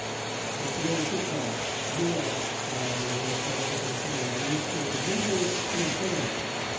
国連とか、あるいはいろいろな裁判所の機能がありますけれども、全然機能していないじゃない。